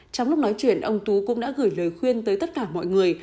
trong lúc nói chuyện ông tú cũng đã gửi lời khuyên tới tất cả mọi người